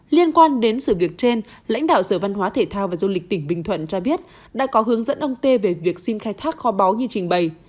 liên quan đến sự việc trên lãnh đạo sở văn hóa thể thao và du lịch tỉnh bình thuận cho biết đã có hướng dẫn ông tê về việc xin khai thác kho báu như trình bày